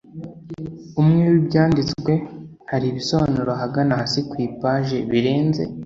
Umwe w ibyanditswe hari ibisobanuro ahagana hasi ku ipaji birenze